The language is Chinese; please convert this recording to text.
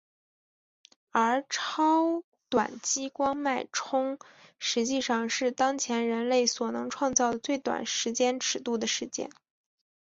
而超短激光脉冲实际上是当前人类所能创造的最短时间尺度的事件。